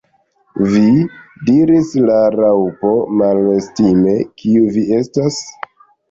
"Vi!" diris la Raŭpo malestime, "kiu vi estas?"